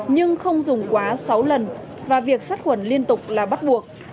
nhưng không dùng quá sáu lần và việc sát quần liên tục là bắt buộc